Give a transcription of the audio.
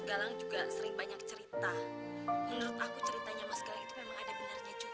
galang juga sering banyak cerita menurut aku ceritanya sama sekali itu memang ada benarnya juga